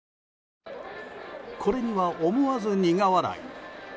これには思わず苦笑い。